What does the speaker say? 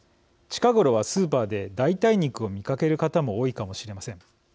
近ごろはスーパーで代替肉を見かける方も多いかもしれません。